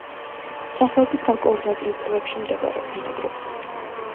სახეობის გარკვეული ნაწილი ტბებში ბინადრობს.